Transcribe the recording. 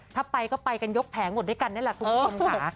ถ้าไปก็ไปกันยกแผงหมดด้วยกันนี่แหละคุณผู้ชมค่ะ